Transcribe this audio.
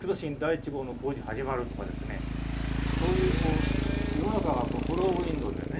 そういうこう世の中がフォローウインドでね